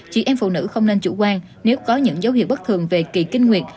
chị em phụ nữ không nên chủ quan nếu có những dấu hiệu bất thường về kỳ kinh nguyệt